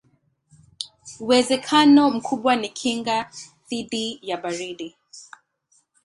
Uwezekano mkubwa ni kinga dhidi ya baridi.